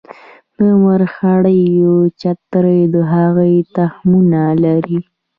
د مرخیړي چترۍ د هغې تخمونه لري